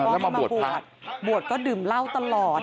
แล้วก็มาบวชบวชก็ดื่มเล่าตลอด